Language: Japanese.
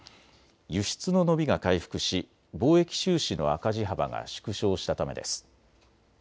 輸出の伸びが回復し貿易収支の赤字幅が縮小したためです。